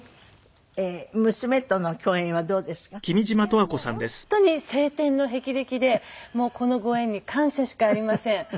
いやもう本当に青天の霹靂でこのご縁に感謝しかありません。